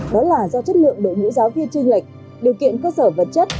đó là do chất lượng đối ngũ giáo viên trưng lệch điều kiện cơ sở vật chất